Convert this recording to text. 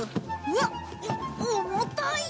うわっ重たい。